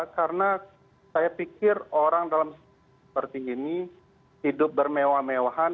karena saya pikir orang dalam seperti ini hidup bermewah mewahan